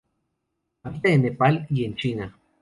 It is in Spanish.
Habita en Nepal y en China.